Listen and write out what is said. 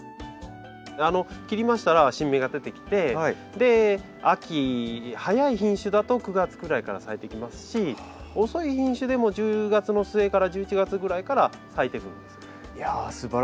切りましたら新芽が出てきて秋早い品種だと９月ぐらいから咲いてきますし遅い品種でも１０月の末から１１月ぐらいから咲いてくるんです。